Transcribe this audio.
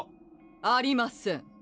ありません